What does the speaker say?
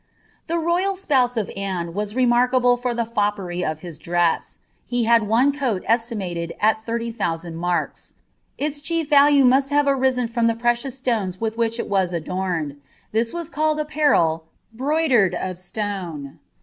The royal spouse of Anne was remarkable for the foppery of his dre«a ; he had one coal estimated at thirty thousand marks. Its chief T«lae must ha*e ariten tram the precious stones wilh which it wm idomMl. This was called apparel "bmidered of stone.'"